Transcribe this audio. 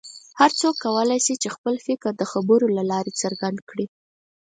هر څوک کولی شي چې خپل فکر د خبرو له لارې څرګند کړي.